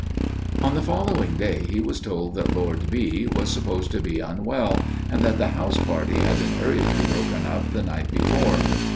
"On the following day he was told that Lord B. was supposed to be unwell, and that the house party had been hurriedly broken up the night before.